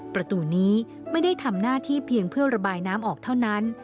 ประตูนี้ไม่ได้ทำหน้าที่เพียงเพื่อระบายน้ำออกเท่านั้น